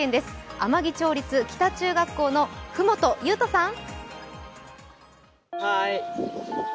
天城町立北中学校の麓優翔さん。